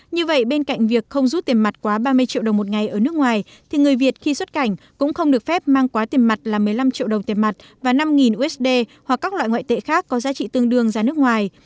như vậy bên cạnh việc không rút tiền mặt quá ba mươi triệu đồng một ngày ở nước ngoài thì người việt khi xuất cảnh cũng không được phép mang quá tiền mặt là một mươi năm triệu đồng tiền mặt và năm usd hoặc các loại ngoại tệ khác có giá trị tương đương ra nước ngoài